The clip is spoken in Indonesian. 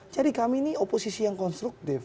jadi kami ini oposisi yang konstruktif